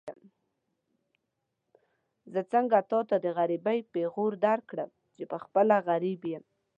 زه څنګه تاته د غريبۍ پېغور درکړم چې پخپله غريب يم.